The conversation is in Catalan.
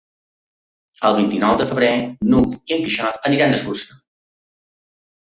El vint-i-nou de febrer n'Hug i en Quixot aniran d'excursió.